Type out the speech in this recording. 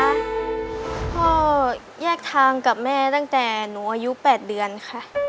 พ่อแยกทางกับแม่ตั้งแต่หนูอายุ๘เดือนค่ะ